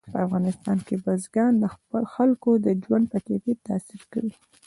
په افغانستان کې بزګان د خلکو د ژوند په کیفیت تاثیر کوي.